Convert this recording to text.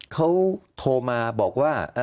เขาโทรมาบอกว่า